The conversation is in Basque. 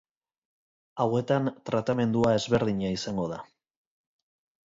Hauetan tratamendua ezberdina izango da.